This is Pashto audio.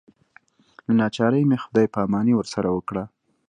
له ناچارۍ مې خدای پاماني ورسره وکړه.